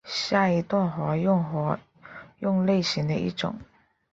下一段活用活用类型的一种。